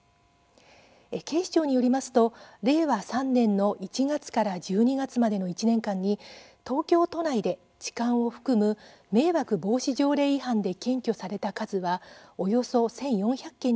警視庁によりますと令和３年の１月から１２月までの１年間に東京都内で、痴漢を含む迷惑防止条例違反で検挙された数はおよそ１４００件に上っています。